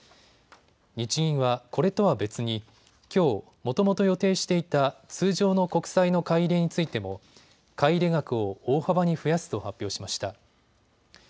日銀はこれとは別にきょう、もともと予定していた通常の国債の買い入れについても買い入れ額を大幅に増やすと発表しました。